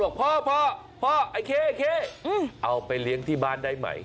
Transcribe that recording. บอกพ่อพ่อโอเคเอาไปเลี้ยงที่บ้านได้ไหม